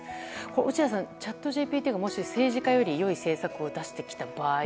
落合さん、チャットＧＰＴがもし政治家より良い政策を出してきた場合は？